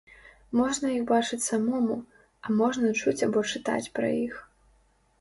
Можна іх бачыць самому, а можна чуць або чытаць пра іх.